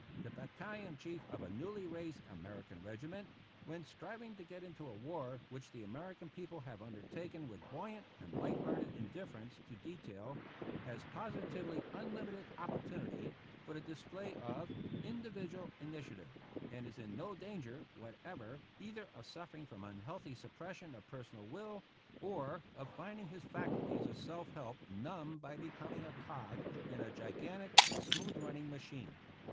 The battalion chief of a newly raised American regiment, when striving to get into a war which the American people have undertaken with buoyant and light hearted indif ference to detail, has positively unlimited oppor tunity for the display of " individual initiative," and is in no danger whatever either of suffering from unhealthy suppression of personal will, or of finding his faculties of self help numbed by becoming a cog in a gigantic and smooth running machine.